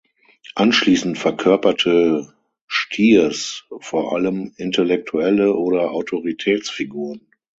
Anschließend verkörperte Stiers vor allem Intellektuelle oder Autoritätsfiguren.